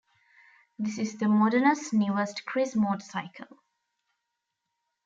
This is the Modenas Newest Kriss Motorcycle.